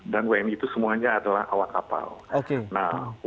dan wni itu semuanya atau